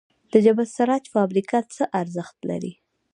د جبل السراج فابریکه څه ارزښت لري؟